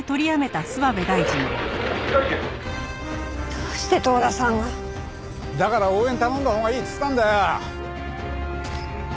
「」どうして遠田さんが？だから応援頼んだほうがいいっつったんだよ！